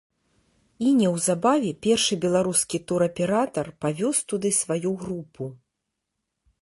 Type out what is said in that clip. І неўзабаве першы беларускі тураператар павёз туды сваю групу.